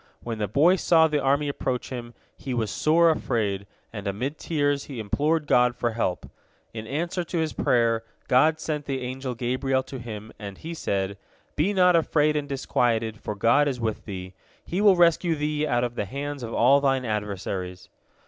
When the boy saw the army approach him, he was sore afraid, and amid tears he implored God for help. In answer to his prayer, God sent the angel Gabriel to him, and he said: "Be not afraid and disquieted, for God is with thee. He will rescue thee out of the hands of all thine adversaries."